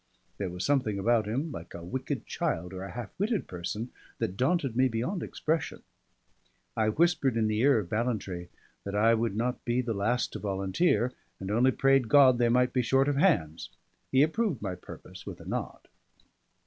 There was something about him like a wicked child or a half witted person, that daunted me beyond expression. I whispered in the ear of Ballantrae that I would not be the last to volunteer, and only prayed God they might be short of hands; he approved my purpose with a nod.